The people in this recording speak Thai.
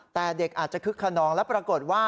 แต่เด็กอาจจะคึกขนองและปรากฏว่า